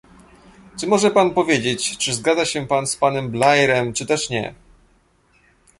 Czy może Pan powiedzieć, czy zgadza się z panem Blairem, czy też nie?